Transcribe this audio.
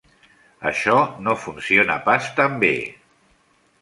Això no funciona pas tan bé.